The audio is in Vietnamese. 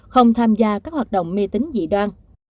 không tham gia các hoạt động mê tính dị đoan